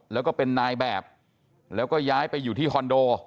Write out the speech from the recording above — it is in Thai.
แล้วก็เป็นนายแบบแล้วก็ย้ายไปอยู่ที่คอนโด